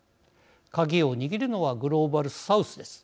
鍵を握るのはグローバルサウスです。